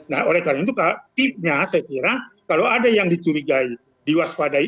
nah oleh karena itu tipnya saya kira kalau ada yang dicurigai diwaspadai